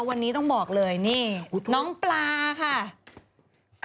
วันนี้ต้องบอกเลยนี่น้องปลาค่ะ